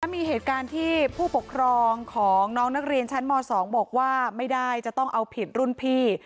มีเหตุการณ์ที่ผู้ปกครองของน้องนักเรียนชั้นม๒บอกว่าไม่ได้จะต้องเอาผิดรุ่นพี่